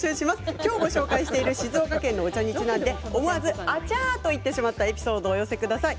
今日ご紹介している静岡のお茶にちなんで思わずあちゃーと言ってしまったエピソードをお寄せください。